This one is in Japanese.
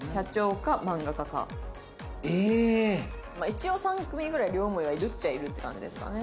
一応３組ぐらい両思いはいるっちゃいるって感じですかね。